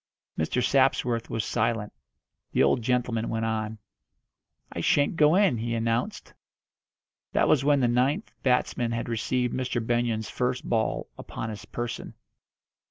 Mr. Sapsworth was silent. The old gentleman went on: "I shan't go in," he announced. That was when the ninth batsman had received Mr. Benyon's first ball upon his person.